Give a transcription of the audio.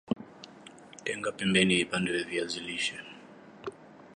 Tenga pembeni vipande vya viazi lishe